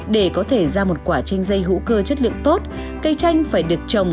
để có thể ra một quả chanh dây hữu cơ chất lượng tốt cây chanh phải được trồng